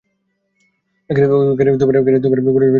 তিনি গবেষণা পরিচালনা করেন যা থেকে নিউটনের শীতলীকরণ সূত্র এসেছে।